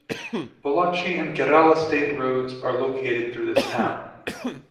Pollachi and Kerala State Roads are located through this town.